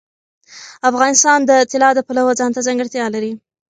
افغانستان د طلا د پلوه ځانته ځانګړتیا لري.